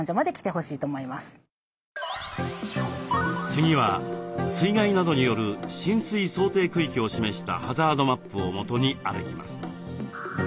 次は水害などによる浸水想定区域を示したハザードマップをもとに歩きます。